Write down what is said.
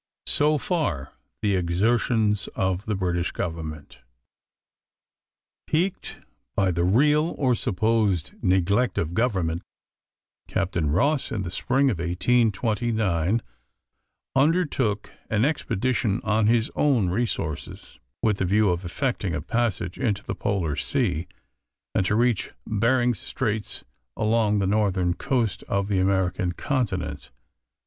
So far the exertions of the British Government. Piqued by the real, or supposed neglect of government, Captain Ross, in the spring of 1829, undertook an expedition on his own resources, with the view of effecting a passage into the Polar Sea, and to reach Behring's Straits along the northern coast of the American continent.